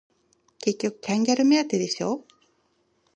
結局キャンギャル目当てでしょ